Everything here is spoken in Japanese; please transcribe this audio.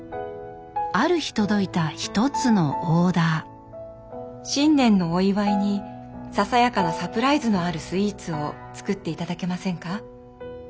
ある日届いた一つのオーダー「新年のお祝いにささやかなサプライズのあるスイーツを作っていただけませんか？」。